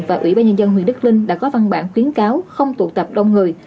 và ủy ban nhân dân huyện đức linh đã có văn bản khuyến cáo không tụ tập đông người